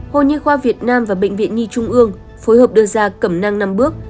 hội nhi khoa việt nam và bệnh viện nhi trung ương phối hợp đưa ra cẩm năng năm bước